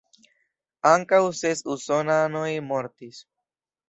Ankaŭ ses usonanoj mortis.